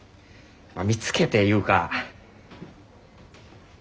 まあ見つけていうか。